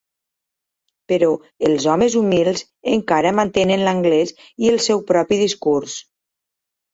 Però els homes humils encara mantenen l'anglès i el seu propi discurs.